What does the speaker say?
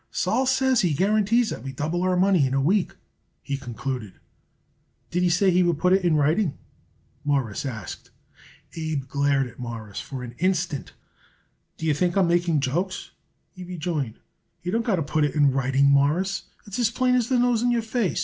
"Sol says he guarantees that we double our money in a week," he concluded. "Did he say he would put it in writing?" Morris asked. Abe glared at Morris for an instant. "Do you think I am making jokes?" he rejoined. "He don't got to put it in writing, Mawruss. It's as plain as the nose on your face.